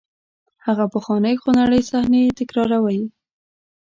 هغه پخوانۍ خونړۍ صحنې تکراروئ.